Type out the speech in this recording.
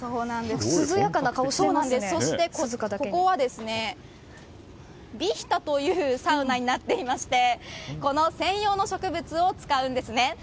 そして、ここはヴィヒタというサウナになっていましてこの専用の植物を使うんです。